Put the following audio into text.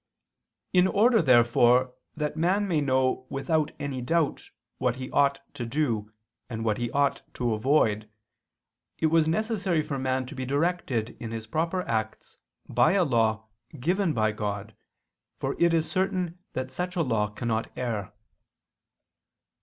In order, therefore, that man may know without any doubt what he ought to do and what he ought to avoid, it was necessary for man to be directed in his proper acts by a law given by God, for it is certain that such a law cannot err.